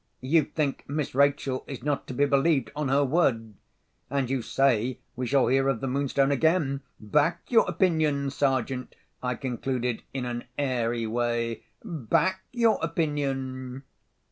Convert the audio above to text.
You think Miss Rachel is not to be believed on her word; and you say we shall hear of the Moonstone again. Back your opinion, Sergeant," I concluded, in an airy way. "Back your opinion."